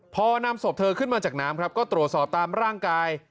พอนำศพเธอขึ้นมาจากน้ำครับก็ตรวจสอบตามร่างกาย